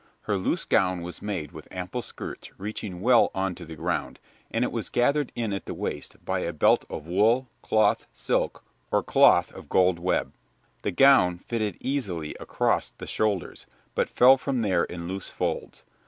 Her loose gown was made with ample skirts reaching well on to the ground, and it was gathered in at the waist by a belt of wool, cloth, silk, or cloth of gold web. The gown fitted easily across the shoulders, but fell from there in loose folds.